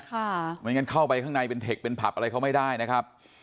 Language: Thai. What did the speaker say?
ไม่งั้นเข้าไปข้างในเป็นเทคเป็นผับอะไรเขาไม่ได้นะครับ